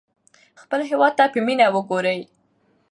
خپل هېواد ته په مینه وګورئ.